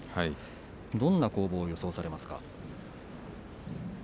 どんな攻防を予想されますか。